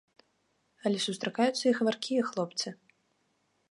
Але сустракаюцца і гаваркія хлопцы.